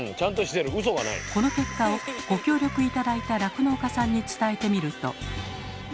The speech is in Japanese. この結果をご協力頂いた酪農家さんに伝えてみると。